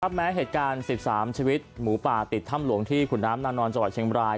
แม้เหตุการณ์๑๓ชีวิตหมูป่าติดถ้ำหลวงที่ขุนน้ำนางนอนจังหวัดเชียงบราย